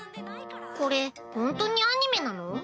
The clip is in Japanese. これほんとにアニメなの？